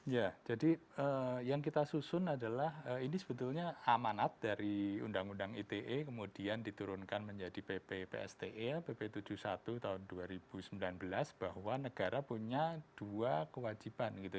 ya jadi yang kita susun adalah ini sebetulnya amanat dari undang undang ite kemudian diturunkan menjadi pppst pp tujuh puluh satu tahun dua ribu sembilan belas bahwa negara punya dua kewajiban gitu